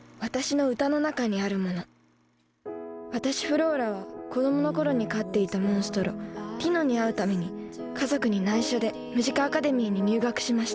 私フローラは子どもの頃に飼っていたモンストロティノに会うために家族にないしょでムジカアカデミーに入学しました